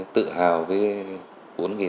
tự hào với